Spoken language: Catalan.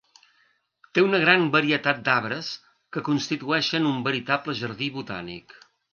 Té una gran varietat d'arbres que constitueixen un veritable jardí botànic.